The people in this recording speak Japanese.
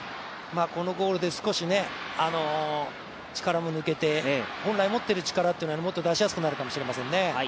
このゴールで少し力も抜けて本来、持っている力っていうのはもっと出しやすくなるかもしれませんね。